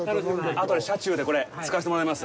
あとで、車中で、これ、使わしてもらいます。